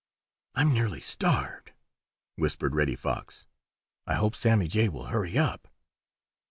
"I'm nearly starved!" whispered Reddy Fox. "I hope Sammy Jay will hurry up."